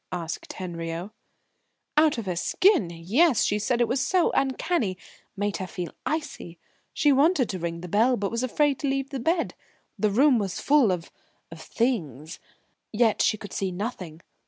asked Henriot. "Out of her skin, yes; she said it was so uncanny made her feel icy. She wanted to ring the bell, but was afraid to leave her bed. The room was full of of things, yet she could see nothing.